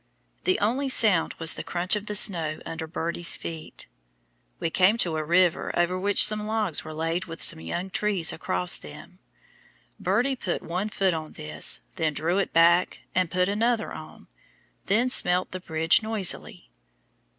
The only sound was the crunch of the snow under Birdie's feet. We came to a river over which some logs were laid with some young trees across them. Birdie put one foot on this, then drew it back and put another on, then smelt the bridge noisily.